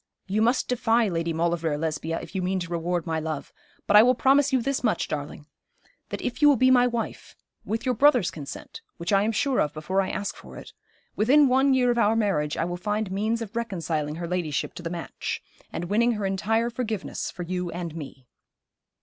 You must defy Lady Maulevrier, Lesbia, if you mean to reward my love. But I will promise you this much, darling, that if you will be my wife with your brother's consent which I am sure of before I ask for it, within one year of our marriage I will find means of reconciling her ladyship to the match, and winning her entire forgiveness for you and me.'